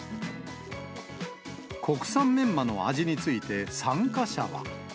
国産メンマの味について、参加者は。